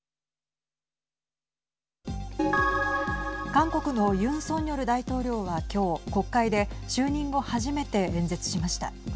韓国のユン・ソンニョル大統領は、きょう国会で就任後初めて演説しました。